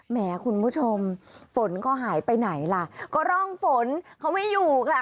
แหมคุณผู้ชมฝนก็หายไปไหนล่ะก็ร่องฝนเขาไม่อยู่ค่ะ